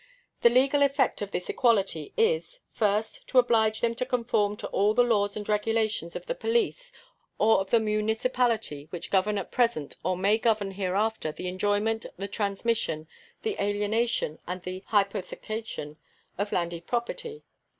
The legal effect of this equality is First. To oblige them to conform to all the laws and regulations of the police or of the municipality which govern at present or may govern hereafter the enjoyment, the transmission, the alienation, and the hypothecation of landed property.